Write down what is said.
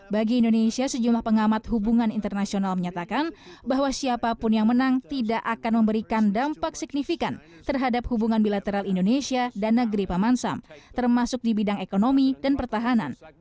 bagi indonesia sejumlah pengamat hubungan internasional menyatakan bahwa siapapun yang menang tidak akan memberikan dampak signifikan terhadap hubungan bilateral indonesia dan negeri paman sam termasuk di bidang ekonomi dan pertahanan